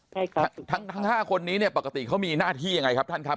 ใช่ค่ะทั้งทั้งห้าคนนี้เนี่ยปกติเขามีหน้าที่ยังไงครับท่านครับ